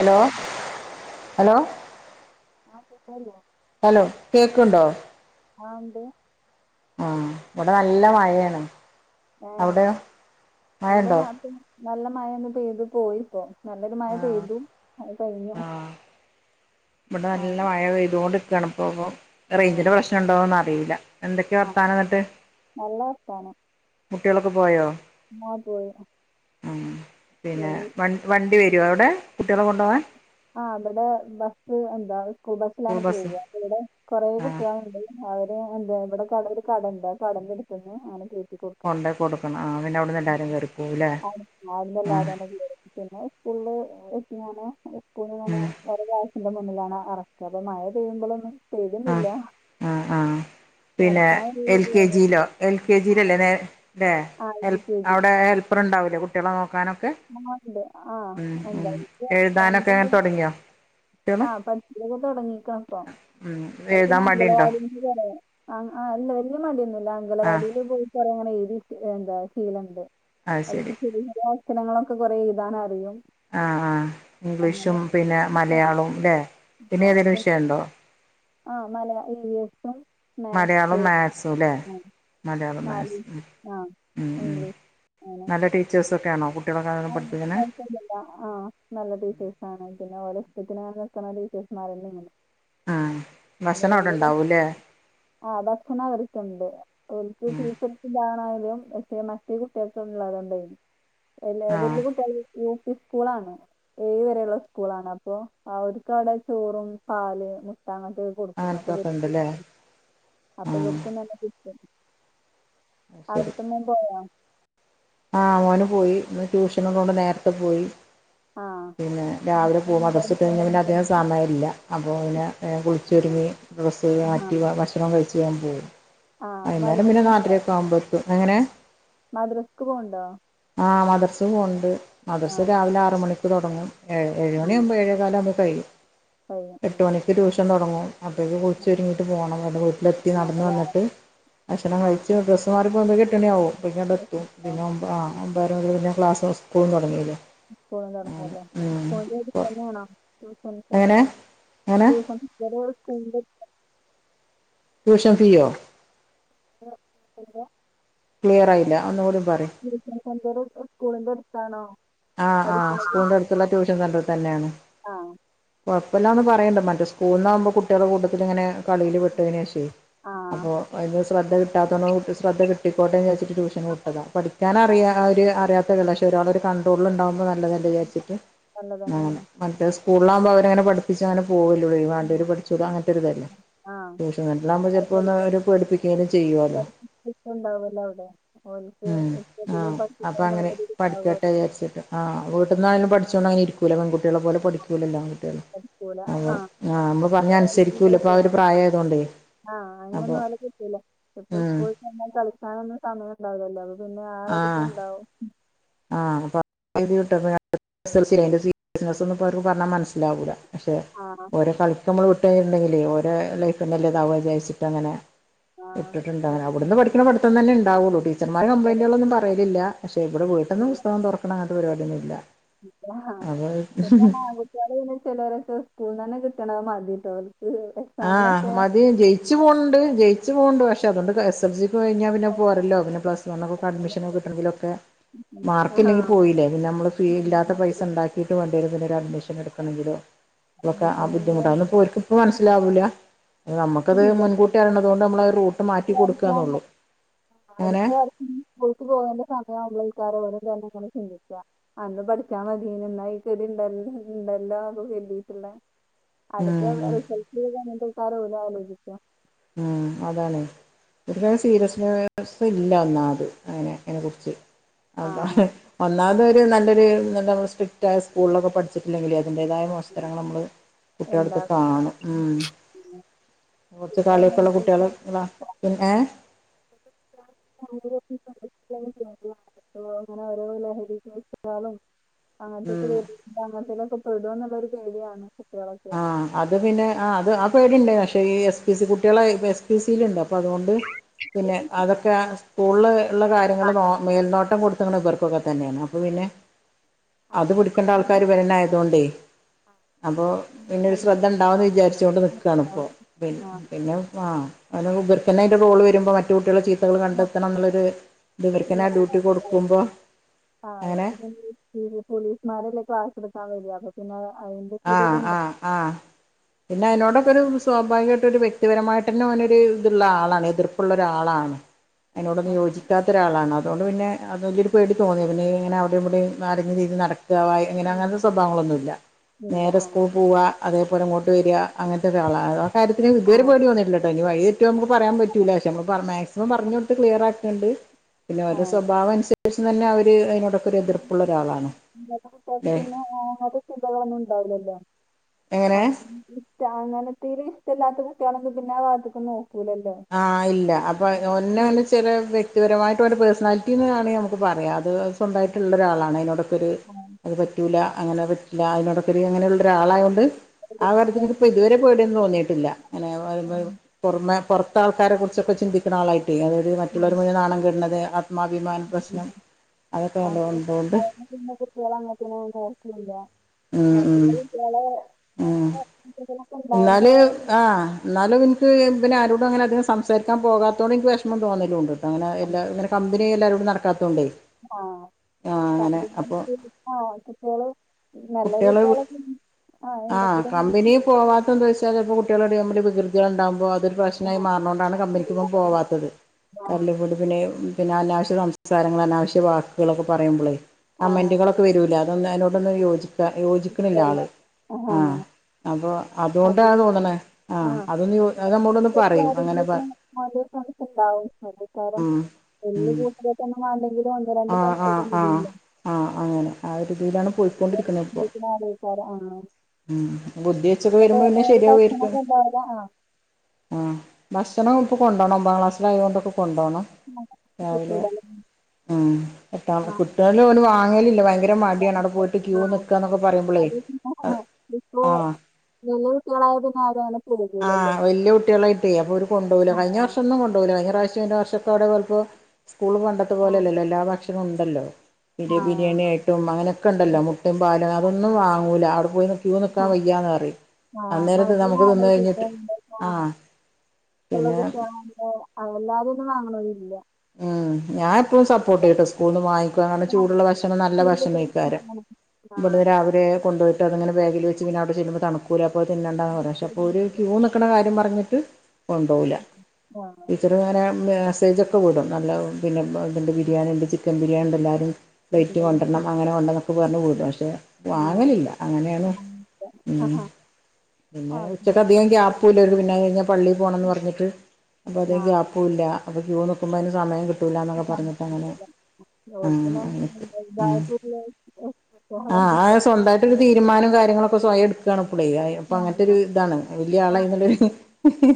Hello hello [unintelligible] hello കേക്ക്‌ണ്ടോ ആഹ് ഇണ്ട് ആഹ് ഇവടെ നല്ല മഴയാണ് ഏഹ് അവിടെയോ ഇവിടെ മഴയുണ്ടോ നാത്തൂന്ന് നല്ല മഴ ഒന്ന് പെയ്തു പോയി ഇപ്പോ നല്ലൊരു മഴ ആഹ് പെയ്തു അത് കഴിഞ്ഞു ആഹ് ഇവിടെ ആ നല്ല മഴ പെയ്തോണ്ട്ക്കാണ് ഇപ്പോ പോ ആ റേയ്ഞ്ചിന്റെ പ്രശ്നം ഇണ്ടോന്നറിയില്ല എന്തൊക്ക ആ വർത്താനം ന്നിട്ട് നല്ല കുട്ട്യോളൊക്കെ പോയോ ആഹ് പോയ് ഉം പിന്നെ വൻ വണ്ടി വരോ അവിടെ കുട്ടികളെ കൊണ്ടുപോകാൻ ആഹ് ആ ഇബടെ ബസ്സ് എന്താ സ്കൂൾ ബസിലാണ് പോക ഇവടെ കൊറേ ആഹ് കുട്ട്യോള്ണ്ട് അവര് എന്താ ഇവടെ കട ഒരു കടെണ്ട് ആ കടെന്റെ അടുത്ത് ന്ന് ആണ് കേ കൊണ്ടോയി കൊടുക്കണം ആഹ് പിന്നെ അവിടുന്ന് എല്ലാരും കേറിപ്പോവുല്ലേ ആഹ് [unintelligible] പിന്നെ സ്കൂലിള് എത്തിങ്ങനെ എത്തിങ്ങനെ ഉം അവരെ ക്ലാസ്സിന്റെ മുന്നിലാണ് എറക്ക അപ്പൊ മഴ പെയ്യുമ്പോളും ആഹ് ആഹ് ആഹ് പിന്നെ നടക്കാൻ ഒരു എൽ കെ ജിലോ എൽ കെ ജിലല്ലേ വേ അല്ലേ ആ യു ഹെൽപ് കെ ജി അവടെ ഹെൽ ൽപ്പറ്ണ്ടാവില്ലേ കുട്ട്യോളെ നോക്കാനോ ആഹ് ണ്ട് ആഹ് എന്താ എഴുതാനൊക്കെ അങ്ങനെ [unintelligible] തുടങ്ങിയോ കുട്ടികള് ആഹ് [unintelligible] തുടങ്ങിക്ക്ണ്പ്പം ഉം അല്ല്ങ്കി എഴുതാൻ ഞാ മടിയുണ്ടോ അംഗലവാടി ആഹ് അല്ല വല്യയ മടിയൊന്നുല്ല ആഹ് അംഗണവടിയില് പോവു അങ്ങനെ എഴുതിട്ട് എന്താ ശീലുണ്ട് അത് അ ശരി [unintelligible] ഷരങ്ങളൊക്കെ കുറെ എഴുതാനറിയും ആഹ് ഇംഗ്ലീഷും പിന്നെ മലയാളവും ല്ലെ പിന്നെ ഏതെലും വിഷയണ്ടോ ആഹ് മലയാ ഇ വി എസും മലയാളും മാത്സ് മാക്സും ല്ലെ മലയാളം നാല് മാക്‌സും ഉം ആ ഉം ഉം ഇംഗ്ലീഷ് നല്ല ടീച്ചേഴ്സൊക്കെയണോ [unintelligible] ആഹ് നല്ല ടീച്ചേഴ്സാണ് പിന്നെ ഒലേ ഇഷ്ടത്തിനാ നിക്കുന്ന ടീച്ചേഴ്സ് മാര് തന്നെല്ലാ ആഹ് ഭക്ഷണ അവിടെ ഉണ്ടാവൂല്ലേ ആഹ് ഭക്ഷണ അവർക്ക്ണ്ട് ഓൽക്ക് ഉം ഫീസ് ന്താണായാലും എസ്‌റ്റി മറ്റേ കുട്ടികൾക് ഉള്ളത് ണ്ടായെന്നു ല്ല ആഹ് വല്യ കുട്ടികള് യു പി സ്കൂളാണ് ഏഴ് വരെയുള്ള സ്കൂളാണ് അപ്പൊ അവർക്ക് അവിടെ ചോറും പാല് മുട്ട അങ്ങനത്തെ കൊടുക്കും അങ്ങനത്തൊക്കെ ഉണ്ടല്ലേ [unintelligible] അപ്പൊ ആഹ് ഇവർക്കും നല്ല കിട്ടും അത് ശരി അവിടുത്തമോൻ പോയാ ആഹ് മോന് പോയി ഇന്ന് ട്യൂഷനോള്ളോണ്ട് നേരത്തെ പോയി ആഹ് പിന്നെ രാവിലെ പോകു മദ്രസ വിട്ടയിഞ്ഞാൽ പിന്നെ അധിക സമയല്ല അപ്പോൾ പിന്നെ വേഗം കുളിച്ചൊരുങ്ങി [unintelligible] ആ ആക്ടിവ പക്ഷെ കഴിച്ച് ഓൻ പോവും ആ വൈന്നേരം മദ്രസ പിന്നെ നാലരയൊക്കെ ആവുമ്പോ എത്തും എങ്ങനെ മദ്രസ്ക്ക് പോവുണ്ടോ ആ മദ്രസെ പോന്നുണ്ട് ആ മദ്രസെ രാവിലെ ആറ് മണിക്ക് തൊടങ്ങും. ഏ ഏഴ് ആ മണിയാകുമ്പ ഏഴേകാല ആകുമ്പോ കഴും കഴിയും എട്ട് ഉം. മണിക്ക് ട്യൂഷൻ തുടങ്ങും. അപ്പോഴേക്ക് കുളിച്ച് ഒരുങ്ങിയിട്ട് പോകണം വടെ വീട്ടിലെത്തി ആ നടന്നന്ന് അതാ വന്നിട്ട് ഭക്ഷണം ആ കഴിച്ച് ഡ്രസ് മാർക്ക്‌ പൊതി കെട്ടണ ആവും അപ്പൊ ഇങ്ങട് എത്തും പിന്നെ ഒ ആ ഒമ്പാതര മുതൽ പിന്നേക്ലാസ്സ്‌ സ് സ്കൂളും തുടങ്ങല്ലേ പോവൻറേഞ്ഞുല്ലേ ഇപ്പോഴും ഇവിടെ അപ്പോൾ തന്നൊണോ? [unintelligible] ടൂഷൻ എങ്ങനെ സെന്ററ് എങ്ങനെ ടൂഷൻ ഇവരുടെ സ്കൂള് ട്യൂഷൻ ഫീയോ? [inaudible] [unintelligible] ക്ലിയർആയില്ല ഒന്നുകൂടി പറയ് ട്യൂഷൻ സെന്റർ [unintelligible] ഉസ്കൂളിന്റെ അടുത്താണോ? ആഹ് ആഹ് പഠിക്കുന്നത് സ്കൂളിന്റെ അടുത്തുള്ള ട്യൂഷൻ സെന്റർ തന്നെയാണ്. ആ കൊഴപ്പല്ലന്ന് പറയേണ്ട് മറ്റേസ്കൂളിലാകുമ്പോ കുട്ടികൾടെ കൂട്ടത്തിൽ ഇങ്ങനെ കളിയില് പെട്ടതിന് ശേഷമേ ആ അപ്പൊ അന് ശ്രദ്ധ കിട്ടാത്തോണ്ട് കുട്ടി ശ്രദ്ധ കിട്ടിക്കോട്ടെന്ന് വിചാരിച്ചിട്ട് ട്യൂഷന് ന്ന് വിട്ടതാ പഠിക്കൻനാറിയവര് അറിയാത്തവര് ന്നല്ല പക്ഷെ ഒരാള്ടെ ഒരു കണ്ടട്രോളിൽ ഉണ്ടാവുമ്പോൾ നല്ലതല്ല- വിചാരിച്ചിട്ട് നല്ലത് തന്നെയാണ് മറ്റേത് സ്കൂളിൽ ആവുമ്പോ അവര് അങ്ങനെ പഠിപ്പിച്ചാലും പോവല ഇവര് വേണ്ടവരു ഉം. പഠിച്ചോ അങ്ങനത്തൊരു ഇതല്ലേ ആ ട്യൂഷൻ വീട്ടിലാകുമ്പോ ചിലപ്പോന്നു അവര് പേടിപ്പിക്കുങ്കിലും ചെയ്യൂ കൊറച്ചു സ്ട്രക്റ്റ്ണ്ടാവല്ലോ അവിടെ ഓർക്ക് ഉം ഇഷ്‌ടത്തിന്ന് [unintelligible] വിചാരിച്ചട്ട് ആ വീട്ടന്നായാലും പഠിച്ചോണ്ട് അനെ ഇരിക്കൂല്ല പെൺകുട്ടളെ പോലെ പഠിക്കൂലല്ലോ ആൺകട്ടികള് പഠിക്കൂല ആ അതെ ആഹ് നമ്മ പറഞ്ഞ അനുസരിക്കൂല ഇപ്പ ആഹ് ഒര് പ്രായ ആതുകൊണ്ടേ- ആഹ് അങ്ങനൊന്നും അവനെ കട്ടില്ല ഇപ്പ ഉം സ്കൂൾ പിന്നെ കളിക്കാനൊന്നും സമയം ഉണ്ടാവില്ലല്ലോ അപ്പൊ പിന്നെ ആഹ് ഒരിതുണ്ടാവും ആഹ് അപ്പൊട്ട [unintelligible] എസ് എസ് എൽ സി അതിന്റെ സീരിയസ് ഒന്നും ഇപ്പ അവർക്ക് പറഞ്ഞ മനസ്സിലാവൂല്ല പക്ഷെ ആഹ് - ഓരോ കളക്ക് നമ്മൾ വിട്ട്ഴിട്ടുണ്ടെങ്കിലെ ഓര ലൈഫല്ലേതാവുക ന്ന് വിചാരിച്ചിട്ടങ്ങനെ ആ ആ ഇട്ടിട്ടുണ്ടാവ ഓർക്ക് അവിടുന്ന് പഠിക്കണ പഠിക്കാൻ പടിത്തം തന്നെ ഉണ്ടാവുള്ളൂടീച്ചർമാർ കംപ്ലയിന്റുകളൊന്നും കഴിയില്ല. പറയില്ല പക്ഷെ ഇവിടെ ഞാൻ പുസ്തകം തുറക്കണ അങ്ങനത്തെ പരിപാടിയൊന്നുല്ല. ആഹ് പിന്നെങ്ങാനും. ഇവിടന്ന് ചിലരൊക്കെ സ്കൂൾ തന്നെ കിട്ടണ മതി ട്ടോ. ആഹ് മതി ജയിച്ചു പോണണ്ട് ജയി- പോകുന്നുണ്ട് പക്ഷെ അതൊണ്ട് എസ് എൽ സിക്ക് കിഞ്ഞാൽ പിന്ന പോരല്ലോ പിന്നെ പ്ലസ്- വണ്ണിന് അഡ്മിഷനൊക്കെ കിട്ടണെങ്കിലൊക്കെ മാർക്ക് ആഹ് ഇല്ലെങ്കി പോയി- ഇല്ലേ പിന്നെ നമ്മള് ഫീ ഇല്ലാത്ത പൈസ ഇണ്ടാക്കിട്ട് വേണ്ടേരും അഡ്മിഷൻ എടുക്കണെകിലോ? ഇതക്കെ ആ അഡ്മിഷനന്നെ ബുദ്ധിമുട്ടാവ ഇപ്പോരിക്കും ഇപ്പ മനസ്സിലാവൂല നമുക്കത് ഇല്ല മുൻകൂട്ടി അരണം അതുകൊണ്ട് നമ്മള റൂട്ട് മാറ്റി ഈ വർഷം കൊടുക്കുകന്നള്ളു- അടുത്ത സ്കൂൾക്ക് പോകേണ്ട സമയമാവുമ്പോ ഈക്കാരെ വെ ചിന്തിക്കുക. അന്ന് പഠിച്ചാൻ മതിൻന്നക്കണ്ട ഇണ്ടല്ലോ അത കല്ലിട്ടുള്ള അടുത്ത ഉം റിസൾട്ട് അങ്ങട്ടക്കാര ആലോചിക്ക ഉ അതാണ് ഒരു സീരിയസ് പ്രശ്നം ഇല്ലഒന്നാമത് അതിന് അതിനേകുറിച്ച് അതാ ആഹ് അതൊരു നല്ലൊരു സ്ട്രിക്റ്റായ സ്കൂളിലൊക്കെ പഠിച്ചിട്ടില്ലെങ്കിലേ അത് അതിന്റേതായ പോസ്റ്ററള് നമ്മള് കുട്ടേലെടുത്ത് കാണും ഉം. പിന്നെ. ച്ചു കളിയൊക്കെയുള്ള കുട്ട്യാള് ള്ള പിന്നേ. അങ്ങനെ ഓരോ ലഹാലും [inaudible] അങ്ങനത്തൊക്കെ ഉം വ അങ്ങനത്തൊക്കെ പെടും എന്നുള്ളൊരു പേടിയാണ് കുട്ടികളൊക്കെ ആ്ഹ അത് പിന്നെ ആഹ് അത് ആഹ് പേടിണ്ട പക്ഷെ ഈ എസ് പി സി കുട്ടികളെ സിൽുണ്ട് അപ്പൾ അതുകൊണ്ട് പിന്നെ അതൊക്കെ സ്കൂളിൽ ഉള്ള കാര്യങ്ങൾ മേൽനോട്ടം കൊടുത്തങ്ങ ഇവർക്കൊക്കെ തന്നെയാണ് അപ്പൾ പിന്നെ- ആ അത് പിടിക്കേണ്ട ആൾക്കാാര് വരണായതൊണ്ടേ അപ്പൊ- ശ്രദ്ധ ഉണ്ടാവന്ന് വിചാരിച്ചോൊണ്ട് നിക്കാണ് ഇപ്പോ പി പിന്നെ ആ [unintelligible] റോള് വരുമ്പോ മറ്റു കുട്ടികൾ ചിരി നമ്മള് കണ്ടെത്തണം എന്നുള്ളൊരു ഇവർക്കെന്നെ ആ ഡ്യൂട്ടി കൊടുക്കുമ്പോ അങ്ങനെ. പോലീസ്മാരല്ലെ ക്ലാസെടുക്കാൻ വരാ. പിന്നെത് അയിന്റെ. ആഹ് ആഹ് ആ പിന്നെ അതിനോടൊക്കെ ഒരു സ്വാഭാവികമായിട്ട് ഒരു വ്യക്തിപരമായിട്ട് തന്നെ ഓനൊരു ത് ഇളള ആളാണ് എതിർ ള്ള ഒരാളാണ് അതിനോടൊന്ന് അപ്പൊ യോജിക്കാത്ത ഒരാളാണ് അതോണ്ട് പിന്നെ. അതൊക്കെ 'പേടി തോന്നിയത് പിന്നെ ഇങ്ങനെ അവിടെയും ഇവിടെയും നിറഞ്ഞ രീതി നടക്കാ ഇങ്ങനെ അങ്ങനത്തെ സ്വഭാവങ്ങളൊന്നുമില്ല ഇല്ല നേരെ ആ സ്കൂൾ പോവുക അതേപോലിങ്ങോട്ട് വരിക അങ്ങനത്തെ ഒക്ക ആളാണ് ആ കാര്യത്തിന് ഇതു ആ പരിപാടി വന്നിട്ടുണ്ട്. അതിന് വഴിതെറ്റോന്ന് നമക്ക് പറയാൻ പറ്റൂല പക്ഷ നമ്മൾ മാക്സിമം പറഞ്ഞു കൊടുത്ത് ക്ലിയർ ആക്കുണ്ട് പിന്നെ ആ ഓരെ സ്വഭാവം അനുസരിച്ച് തന്നെ അവര് അതിനോട. ഉം അല്ലെ പിന്നെ ആ ഒരു ഇപ്പൊ അങ്ങനെയൊന്നും ഉണ്ടാവില്ലല്ലോ എങ്ങനെ [unintelligible] അങ്ങനെതീല് ഇഷ്ടല്ലാത്ത വ്യക്തി ആണെങ്കി പിന്നെ ആ വാത്ക്കൊന്നും നോക്കൂലല്ലോ. ആ ഇല്ല അപ്പൊ ഓലെന്നെ ചെറിയ. വ്യക്തിപരമായിട്ട് പേഴ്സണാലിറ്റിന്ന് നമുക്ക് പറയാം അത് സ്വന്തമായിട്ടുള്ള ഒരാളാണ് അതിനോടൊക്കെ ഒരു. അത് പറ്റൂല അങ്ങനെ പറ്റില്ല അതിനോടൊക്കൊരു അങ്ങനെ ഉള്ള. ഒരാളായൊണ്ട് ആ കാര്യത്തിന് ഇപ്പോ ഇതുവരെ പേടിയൊന്നും തോന്നിയിട്ടില്ല അങ്ങനെ. പുറമെ പുറത്ത് ആൾക്കാരെ കുറിച്ചൊക്കെ ചിന്തിക്കുന്ന ആളായിട്ട് അതൊരു മറ്റുള്ളവർ മുഴുവൻ നാണം കെടുന്നത്. ത്മാഭിമാന പ്രശ്നം അതൊക്കെ നല്ലോണം അങ്ങനെ ഉള്ളതോണ്ട്. പിന്നെ കുട്ടികള അങ്ങനത്തിനൊന്നും പോക്കില്ല ഉം ഉം മറ്റുള്ള കുട്ടികളെ. ഉം ചെയ്തള. എന്നാല് ആ. എന്നാലും എനിക്ക് പിന്നെ ആരോടും അങ്ങന അധികം സംസാരിക്കാൻ പോകാത്തോണ്ട് എനിക്ക് വിഷമം തോന്നലുംണ്ട്. അങ്ങനെ എല്ലാം ഇങ്ങനെ കമ്പനി എല്ലാവരും കൂടെ നടക്കാത്തോണ്ടേ ആഹ് ആഹ് അങ്ങനെ കമ്പനി അപ്പൊ ആഹ് നല്ല കുട്ടികള് കുട്ടികളൊക്ക ആഹ് എന്തെങ്കിലും പോവാത്ത എന്താന്ന് വെച്ചാല് ഇപ്പം കുട്ടികള് തമ്മില് വികൃതികൾ ഉണ്ടാവുമ്പോ അത് ആ ഭക്ഷണമായ് മാറന്നൊണ്ടാണ് കമ്പനിക്ക് ഇപ്പം പോവാത്തത് ആ [unintelligible] പിന്നെയും പിന്നെ അനാവശ്യ സംസാരങ്ങളും അനാവശ്യ വാക്കുകളൊക്കെ പറയുമ്പോളേ ആ കമന്റുകളൊ വരൂല അതൊന്നും അതിനോടൊന്നും യോജിക്ക യോജിക്കണില്ല ശരി ആള് ആ ആഹ് അപ്പൊ അതിൽ അതുകൊണ്ടാന്ന് തോന്നണെ ആ ആഹ് അതൊന്ന് അത് നമ്മോടൊന്ന് പറയും അങ്ങനെ [unintelligible] കാരം ഉം [unintelligible] ഉം തന്നെ മാണ്ടെങ്കിലും അവന്റ രണ്ട് ആഹ് പൈസൊക്കെ. ആഹ് ആഹ് [unintelligible] ആഹ് അങ്ങനെ ആ ഒരു രീതിയിലാണ് പോയി [unintelligible] ഉം ബുദ്ധിവച്ചൊക്കെ എന്നിട്ട് വരുമ്പോ പിന്നെ ഓരോ ശരിയാവുവാരിക്കും ഭക്ഷണമൊക്കെ ഉണ്ടാവില്ല ആ ആഹ് ഭക്ഷണം ഇപ്പോൾ കൊണ്ട്പോണം ഒമ്പതാം ക്ലാസ്സിലായത് കൊണ്ടൊക്കെ കൊണ്ട് പോണം രാവിലെ കിട്ടൂലല്ലേ ഉം എട്ടാമത്തെ ആ കു കുട്ടികള് അതുകൊണ്ട് വാങ്ങലില്ല ഭയങ്കര ആ മടിയാണ് അവിടെ പോയിട്ട് ക്യൂ നിൽക്കാന്നൊക്കെ പറയുമ്പളേ അത് ആ ഇപ്പോ ആഹ് വലിയ കുട്ടികളായാ പിന്നെ ആരും അങ്ങനെ പോകൂലല്ലോ. ആഹ് വല്യ കുട്ടികളായിട്ടേ അപ്പോ ഇവര് കൊണ്ട് പോവില്ല കഴിഞ്ഞ ആഹ്. വർഷൊന്നും കൊണ്ട് പോയില്ല കഴിഞ്ഞ പ്രാവശ്യം പൊക്കെ അവിടെ കൊപ്പോ സ്കൂള് പണ്ടത്തെ പോലെ ആഹ്. അല്ലല്ലോ എല്ലാ ഭക്ഷണവും ഉണ്ടല്ലോ പിരി ആഹ്. ബിരിയാണി ആയിട്ടും അങ്ങനെയൊക്കെ ഉണ്ടല്ലോ അതെ. മുട്ടയും പാലും അതൊന്നും വാങ്ങൂല അവിടെ പോയി നി ക്യൂ നിക്കാൻ ആഹ്. വയ്യാന്ന് പറയും അന്നേരത്തെ നമുക്ക് നിന്ന് കഴി [unintelligible] എല്ലാരും പിന്നെ ഒന്നും വാങ്ങണമെന്നില്ല ഉം ഞാൻ എപ്പോഴും സപ്പോർട്ട് ചെയ്യൂട്ടോ സ്കൂള്ന്ന് വാങ്ങിക്കുവാ ആണെ ആഹ്. ചൂടുള്ള ഭക്ഷണം നല്ല ഭക്ഷണം കഴിക്കാര്. ആഹ് അവരെ കൊണ്ട് പോയിട്ട് അതിങ്ങനെ ബേഗിൽ വച്ച് പിന്നെ അവിടെ ചെല്ലുമ്പോൾ തണുക്കും തിന്നണ്ടാന്ന് പറയും പക്ഷേ അപ്പോൾ ഒരു കാര്യം പറഞ്ഞിട്ട് കൊണ്ടുപോവില്ല ആഹ്. ടീച്ചർ ഇങ്ങനെ മെസ്സേജൊക്കെ വിടും നല്ല പിന്നെ ഇതുണ്ട് ബിരിയാണി ഉണ്ട് ചിക്കൻ ബിരിയാണി ഉണ്ട് എല്ലാരും പ്ലേറ്റ് കൊണ്ടുവരണം അങ്ങനെ കൊണ്ട് [unintelligible] പഷെ വാങ്ങലില്ല അങ്ങനെയാണ് ഉം പിന്നെ ആഹ്. ഉച്ച അധികം ഗ്യാപ്പുവില്ല ഒരു പിന്നെ കഴിഞ്ഞാൽ പള്ളിയിൽ പോണന്ന് പറഞ്ഞിട്ട് അപ്പം അധികം ഗ്യാ ക്കൂല അപ്പൊ ക്യൂ നിക്കുമ്പോ അതിന് സമയം കിട്ടൂല്ല എന്നൊക്കെ പറഞ്ഞിട്ട് അങ്ങനെ ഓൽക്ക് ആഹ് തന്നെ ഇതായിട്ടുള്ള ആഹ് ആ അത് സ്വന്തം ആയി ഒരു തീരുമാനവും കാര്യങ്ങളൊക്കെ സ്വയം എടുക്കുകാണ് പുളേ ഇപ്പ അങ്ങനത്തൊരു അങ്ങനെയൊള്ളു. ഇതാണ് വില്യാളായീന്നൊരു ഹി ഹി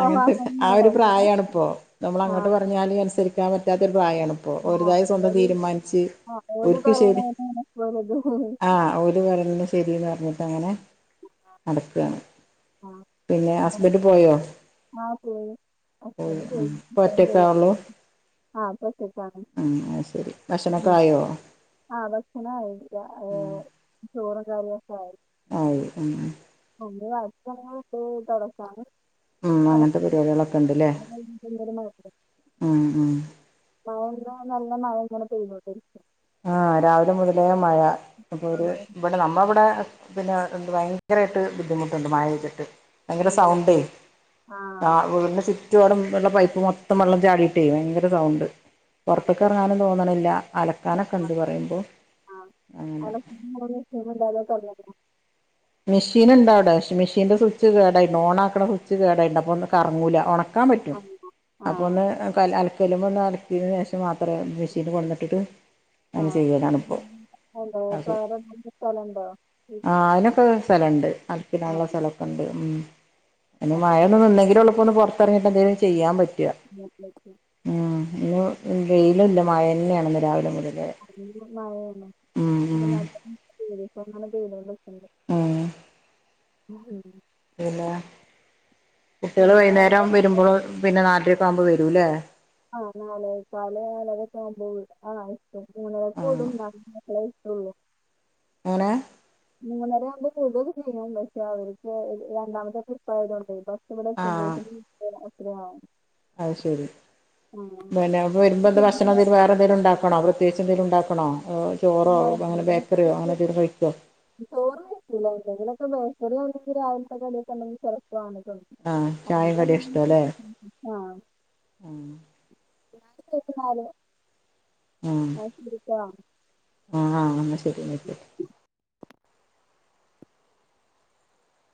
അങ്ങനത്തെ ആ ഒരു പ്രായം ആണിപ്പോ നമ്മള് അങ്ങോട്ട് പറഞ്ഞാ പറഞ്ഞാല് അനുസരിക്കാൻ പറ്റാത്തൊരു പ്രായമാണ് ഇപ്പോ ആഹ്. ഒരിതായ സ്വന്തം ആഹ്. തീരുമാനിച്ച് ആഹ് ഓല് ഓൽക്ക് ശരി പറയണതന്നെയാണ് പോലതും ആഹ് ഓല് പറയുന്നത് ശരീന്ന് പറഞ്ഞിട്ട് അങ്ങനെ നടക്ക്കാണ് ആഹ് പിന്നെ ഞാൻ ഹസ്ബൻഡ് പോയോ ആഹ് പോയി ഹസ്ബൻഡ് ഉം പോയി ഇപ്പം ഒറ്റക്കാവുള്ളൂ [unintelligible] ആഹ് ഇപ്പം ഒറ്റക്കാണ് ഉം അഹ് ശരി ഭക്ഷണൊക്കെ ഉം ആയോ ആഹ് ഭക്ഷണമായി ഏഹ് ചോറും കറിയൊക്കെ ആയി ആയി ഉം [unintelligible] ഉം അങ്ങനത്തെ [unintelligible] പരിപാടികളൊക്കെ ഉണ്ടല്ലേ ഉം ഉം മഴ നല്ല മഴ ഇങ്ങനെ പെയ്തോണ്ടിരിക്കാ ആഹ് രാവിലെ മുതലേ മഴ അപ്പൊ ഒര് ഇവടെ നമ്മവിടെ പിന്നെ ഭയങ്കരമായിട്ട് ബുദ്ധിമുട്ടുണ്ട് മഴ പെയ്തിട്ട് ഭയങ്കര എന്തല്ലേ സൗണ്ടേ ആഹ് വീടിന് ചു റ്റു പാടും വെള്ളം പൈപ്പ് മൊത്തം വെള്ളം ചാടിയിട്ടേ ഭയങ്കര സൗണ്ട് സൗണ്ട് പുറത്തേക്ക് ഉണ്ട് ഇറങ്ങാനും തോന്നണില്ല അലക്കാനൊക്കെ ഉണ്ട് പറയുമ്പോൾ ആഹ് അങ്ങനെ [unintelligible] മെഷീൻ ഉണ്ടവിടെ പക്ഷെ മെഷീന്റെ സ്വിച്ച് കേടായിണ്ട് ഓണ ആക്കണ സ്വിച്ച് കേടായിണ്ട് അപ്പൊ കറങ്ങൂല ഒണ ക്കാൻ പറ്റും ആഹ് അപ്പോ ആഹ് ഒന്ന് കല് അല ചെളി മണ്ണും അലക്കിയതിന് ശേഷം മാത്രേ മെഷീനില് കൊണ്ടന്നിട്ടിട്ട് അങ്ങനെ ആഹ് ചെയ്യലാണിപ്പൊ എന്താ അത് തോരയിടാൻ സ്ഥലമുണ്ടോ ആ അതിനൊക്കെ സ്ഥലം ഉണ്ട് അലക്കി ആഹ് ഇടാന്ള്ള സ്ഥലൊക്കെ ഉണ്ട് ഉം പിന്നെ മഴയൊന്നും നിന്നെങ്കിലേ ഉള്ളൂ ഇപ്പൊ ഒന്ന് പുറത്തിറങ്ങീട്ട് എന്തെങ്കിലും ചെയ്യാൻ പറ്റാ [unintelligible] ഉം ഇന്ന് വെയിലല്ല മഴ ന്നെയാണ് ഇന്ന് രാവിലെ മുതലെ [unintelligible] മഴയല്ലേ [unintelligible] ഉം [unintelligible] പിന്നെ കുട്ടികള് പിന്നെ അവിടെ വൈന്നേരം വരുമ്പോൾ പിന്നെ നാലരയൊക്കെ ആവുമ്പോ വരൂല്ലേ ആഹ് നാലെക്കാല് നാലര ഒക്കെ ആവുമ്പോ ആഹ് ഇപ്പൊ മൂന്നരക്ക് ആഹ് വിടും എന്നാലും [unintelligible] ട്ടൊള്ളു എങ്ങനെ മൂന്നര ആവുമ്പോൾ കൂടുതൽ ചെയ്യും പക്ഷെ അവർക്ക് രണ്ടാമത്തെ ട്രിപ്പ് ആയതോണ്ടേ ഇപ്പൊ ഇവിടെ ആഹ് എത്തുമ്പോത്തിനു [unintelligible] എത്രയാകും അത് ശെരി [unintelligible] വരുമ്പോ എന്താ ഭക്ഷണംന്തേലും വേ എന്തങ്കിലും ഉണ്ടാക്കണോ പ്രത്യേകിച്ച് എന്തെങ്കിലും ഉണ്ടാക്കണോ ചോറോ ബേക്കറിയോ അങ്ങനെ എന്തേലും കഴിക്കുമോ ചോറ് കഴിക്കില്ല എല്ലെങ്കിലൊക്കെ നോക്കൽ ആണെങ്കിൽ രാവിലത്തെ കടിയൊക്കെ ഉണ്ടെങ്കിൽ ചെലപ്പൊ ആഹ് ചായയും കടിയും ഇഷ്ടാല്ലേ [unintelligible] [unintelligible] ആഹ [unintelligible] ആഹ ആ എന്നാ ശരി എന്നാ ശരി